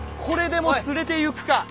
これでも連れてゆくか」。